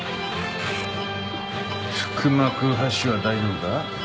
腹膜播種は大丈夫か？